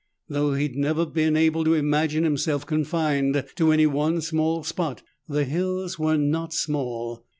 Though he'd never been able to imagine himself confined to any one small spot, the hills were not small.